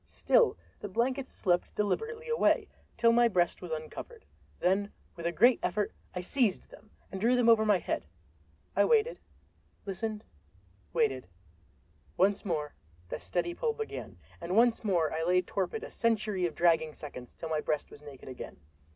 Still the blankets slipped deliberately away, till my breast was uncovered. Then with a great effort I seized them and drew them over my head. I waited, listened, waited. Once more that steady pull began, and once more I lay torpid a century of dragging seconds till my breast was naked again.